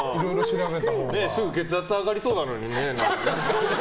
すぐ血圧上がりそうなのにね。